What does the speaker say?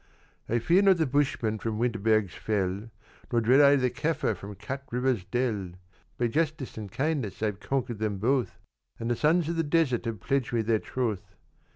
"I fear not the Bushman from Winterberg's fell, Nor dread I the Caffer from Kat River's dell; By justice and kindness I've conquered them both, And the sons of the desert have pledged me their troth.